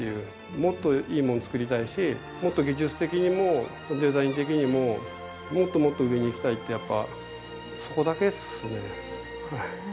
もっといいもの作りたいしもっと技術的にもデザイン的にももっともっと上にいきたいってやっぱりそこだけですね。